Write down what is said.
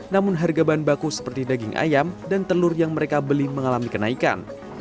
namun harga bahan baku seperti daging ayam dan telur yang mereka beli mengalami kenaikan